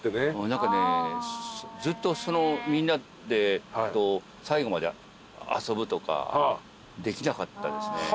何かねずっとそのみんなで最後まで遊ぶとかできなかったですね。